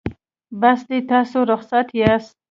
بس دی تاسو رخصت یاست.